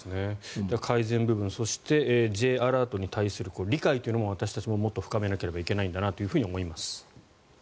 改善部分そして、Ｊアラートに対する理解というのも私たちももっと深めないといけないんだろうなと思います。